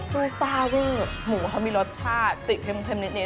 คือซาเวอร์หมูเขามีรสชาติติดเข้มนิด